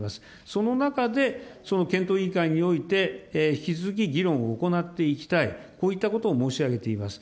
その中で、検討委員会において、引き続き議論を行っていきたい、こういったことを申し上げています。